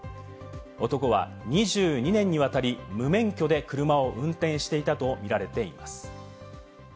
男は２２年にわたり無免許で車を運転していたとみられています。